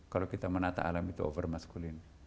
kalau kita menata alam itu overmasculin